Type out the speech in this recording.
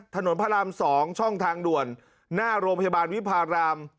ถนนพระราม๒ช่องทางด่วนหน้าโรงพยาบาลวิพาราม